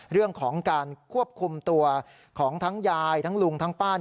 เรื่องของการควบคุมตัวของทั้งยายทั้งลุงทั้งป้า